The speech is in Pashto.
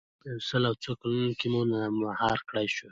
په یو سل او څو کلونو کې مو نه مهار کړای شو.